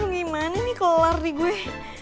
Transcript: gimana nih kelar di gue